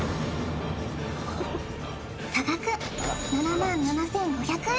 差額７万７５００円